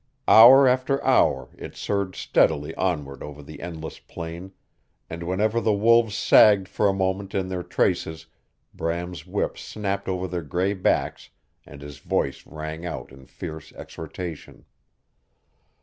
Hour after hour it surged steadily onward over the endless plain, and whenever the wolves sagged for a moment in their traces Brain's whip snapped over their gray backs and his voice rang out in fierce exhortation.